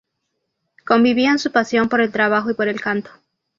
Convivían su pasión por el trabajo y por el canto.